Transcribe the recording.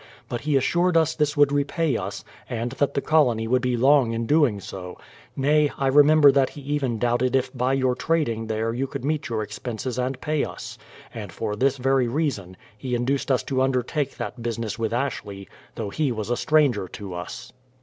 But he assured us this would repay us, and that the colony would be long in doing so ; nay, I remember that he even doubted if by your trading there you could meet your expenses and pay us, and for this very reason he induced us to undertake that business with Ashley, though he was a stranger to us.